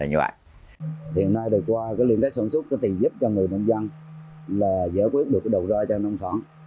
hiện nay đời qua cái liên kết sản xuất cái tiền giúp cho người nông dân là giải quyết được cái đầu ra cho nông sản